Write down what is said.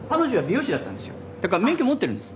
だから免許持ってるんです。